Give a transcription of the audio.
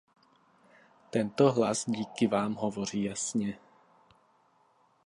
Tento hlas, díky vám, hovoří jasně.